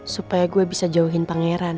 supaya gue bisa jauhin pangeran